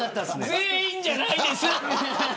全員じゃないです。